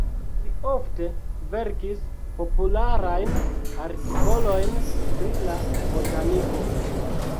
Li ofte verkis popularajn artikolojn pri la botaniko.